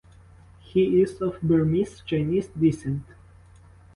He is of Burmese Chinese descent.